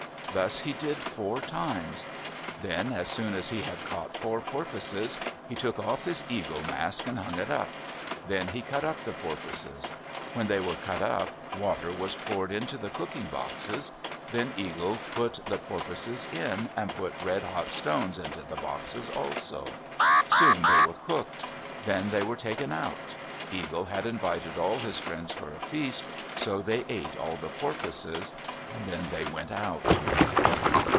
Thus he did four times. Then as soon as he had caught four porpoises, he took off his eagle mask and hung it up. Then he cut up the porpoises. When they were cut up, water was poured into the cooking boxes. Then Eagle put the porpoises in, and put red hot stones into the boxes also. Soon they were cooked. Then they were taken out. Eagle had invited all his friends for a feast, so they ate all the porpoises. Then they went out.